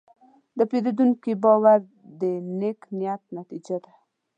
د پیرودونکي باور د نیک نیت نتیجه ده.